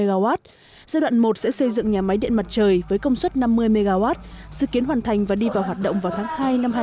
giai đoạn một sẽ xây dựng nhà máy điện mặt trời với công suất năm mươi mw sự kiến hoàn thành và đi vào hoạt động vào tháng hai năm hai nghìn hai mươi